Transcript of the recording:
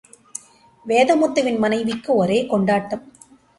வேதமுத்துவின் மனைவிக்கு ஒரே கொண்டாட்டம்.